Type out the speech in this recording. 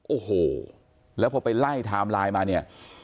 โอ้โหแล้วพอไปไล่ไทม์ไลน์มาเนี่ย